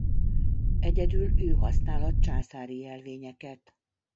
Egyedül ő használhat császári jelvényeket.